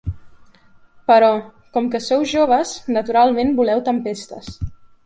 Però, com que sou joves, naturalment voleu tempestes.